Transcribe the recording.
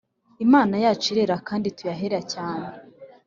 Imana yacu irera kandi ituye ahera cyane